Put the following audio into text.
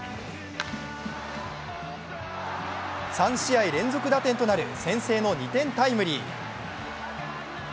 ３試合連続打点となる先制の２点タイムリー。